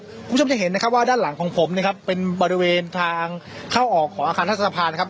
คุณผู้ชมจะเห็นนะครับว่าด้านหลังของผมนะครับเป็นบริเวณทางเข้าออกของอาคารรัฐสภานะครับ